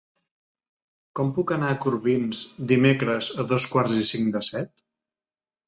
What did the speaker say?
Com puc anar a Corbins dimecres a dos quarts i cinc de set?